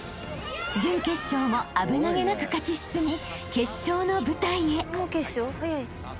［準決勝も危なげなく勝ち進み決勝の舞台へ］